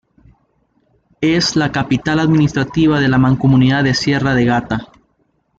Es la capital administrativa de la mancomunidad de sierra de Gata.